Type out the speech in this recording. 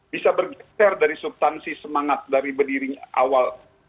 bisa bergeser dari substansi semangat dari berdiri awal